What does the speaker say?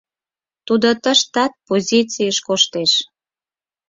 — Тудо тыштат позицийыш коштеш.